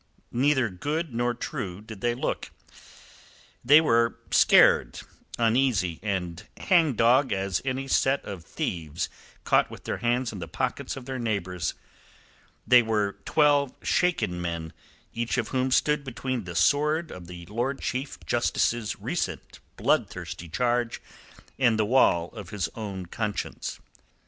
Neither good nor true did they look. They were scared, uneasy, and hangdog as any set of thieves caught with their hands in the pockets of their neighbours. They were twelve shaken men, each of whom stood between the sword of the Lord Chief Justice's recent bloodthirsty charge and the wall of his own conscience.